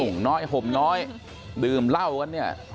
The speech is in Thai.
่งน้อยห่มน้อยดื่มเหล้ากันเนี่ย